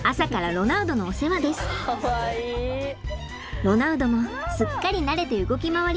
ロナウドもすっかり慣れて動き回ります。